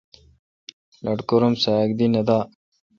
لٹکور ام سہ اک دی نہ دا۔